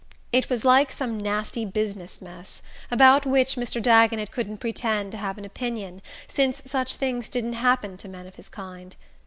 It was like some nasty business mess, about which Mr. Dagonet couldn't pretend to have an opinion, since such things didn't happen to men of his kind.